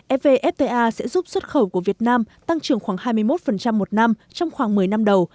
evfta sẽ giúp xuất khẩu của việt nam tăng trưởng khoảng hai mươi một một năm trong khoảng một mươi năm đầu